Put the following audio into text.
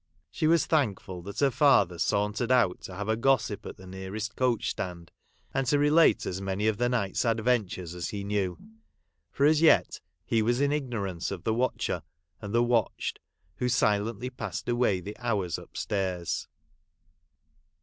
She was thankful that her father sauntered out to have a gossip at the nearest coach stand, and to relate as many of the night's adventures as he knew ; for as yet lie was in ignorance of the watcher and the watched, who silently passed away the hours upstairs.